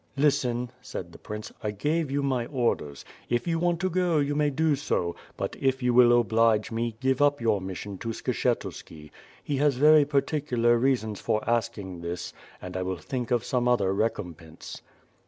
"Listen," said the prince, "I gave you my orders: if you want to go, you may do so, but, if you will oblige me, give up your mission to Skshetuski. He has very particular reasons for asking this, and I will think of some other recompense."